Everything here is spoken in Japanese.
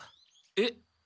えっ？